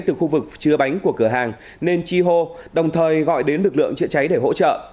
từ khu vực chứa bánh của cửa hàng nên chi hô đồng thời gọi đến lực lượng chữa cháy để hỗ trợ